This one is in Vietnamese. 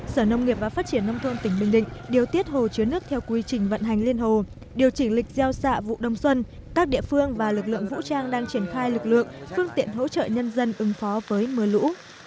sở nông nghiệp và phát triển nông thôn tỉnh bình định điều tiết hồ chứa nước theo quy trình vận hành liên hồ điều chỉnh lịch gieo xạ vụ đông xuân các địa phương và lực lượng vũ trang đang triển khai lực lượng phương tiện hỗ trợ nhân dân ứng phó với mưa lũ